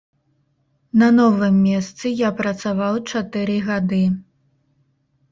На новым месцы я працаваў чатыры гады.